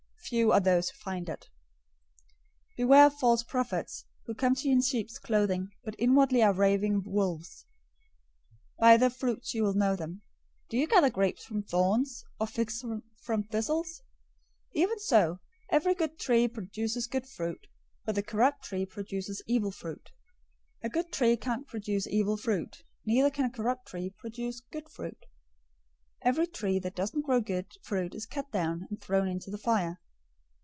Few are those who find it. 007:015 "Beware of false prophets, who come to you in sheep's clothing, but inwardly are ravening wolves. 007:016 By their fruits you will know them. Do you gather grapes from thorns, or figs from thistles? 007:017 Even so, every good tree produces good fruit; but the corrupt tree produces evil fruit. 007:018 A good tree can't produce evil fruit, neither can a corrupt tree produce good fruit. 007:019 Every tree that doesn't grow good fruit is cut down, and thrown into the fire.